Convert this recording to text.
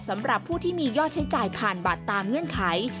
สำหรับผู้ที่มียอดใช้จ่ายผ่านบัตรตามเงื่อนไข